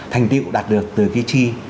thành tiệu đạt được từ cái chi